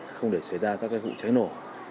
không để xảy ra các vụ cháy nổ